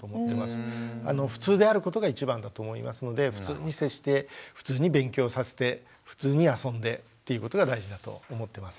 普通であることが一番だと思いますので普通に接して普通に勉強させて普通に遊んでっていうことが大事だと思ってます。